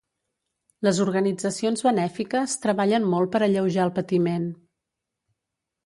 Les organitzacions benèfiques treballen molt per alleujar el patiment.